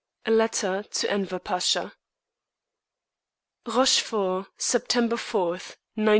IV LETTER TO ENVER PASHA _Rochefort, September 4th, 1914.